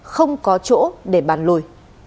không có chỗ để bàn lùi